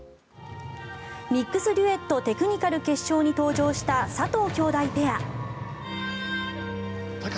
ミックスデュエット・テクニカル決勝に出場した佐藤姉弟ペア。